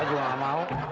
aku juga nggak mau